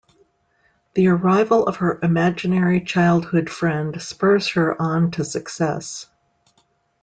The arrival of her imaginary childhood friend spurs her on to success.